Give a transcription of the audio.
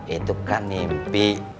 itu kan mimpi